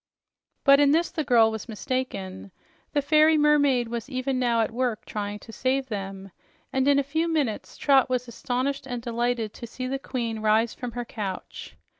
But in this the girl was mistaken. The fairy mermaid was even now at work trying to save them, and in a few minutes Trot was astonished and delighted to see the queen rise from her couch.